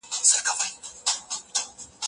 ماشيني ژباړه د کمپيوټر له مهمو کارونو څخه ګڼل کېږي.